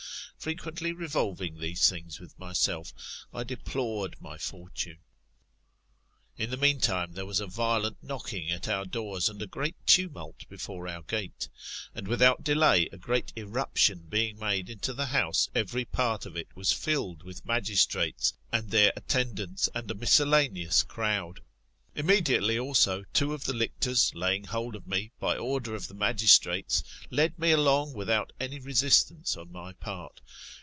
Frequently revolving these things with myself, I deplored my fortune. In the meantime, there was a violent knocking at our doon, and a great tumult before our gate. And without delay, a great irruption being made into the house, every part of it was filled with magistrates and their attendants, and a miscellaneous crowd. Immediately also, two of the lictors, laying hold of me, by order of the magistrates, led me along without any resistance on my part.